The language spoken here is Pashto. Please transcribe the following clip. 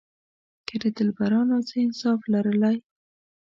که دلبرانو څه انصاف لرلای.